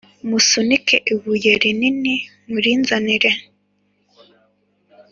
Musunike ibuye rinini murinzanire